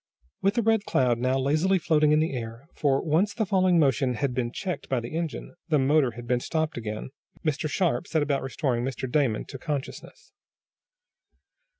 With the Red Cloud now lazily floating in the air, for, once the falling motion had been checked by the engine, the motor had been stopped again, Mr. Sharp set about restoring Mr. Damon to consciousness.